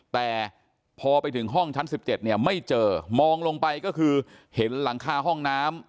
แต่พอไปถึงห้องชั้น๑๗เนี่ยไม่เจอมองลงไปก็คือเห็นหลังคาห้องน้ำ